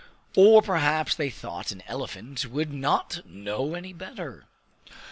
Or perhaps they thought that an elephant would not know any better!